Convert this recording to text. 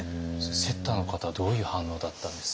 セッターの方はどういう反応だったんですか？